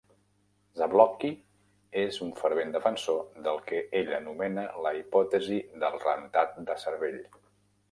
Zablocki és un fervent defensor del que ell anomena "la hipòtesi del rentat de cervell".